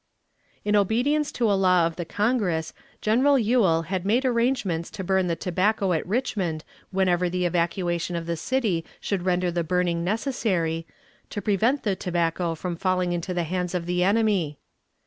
In obedience to a law of the Congress, General Ewell had made arrangements to burn the tobacco at Richmond whenever the evacuation of the city should render the burning necessary, to prevent the tobacco from falling into the hands of the enemy.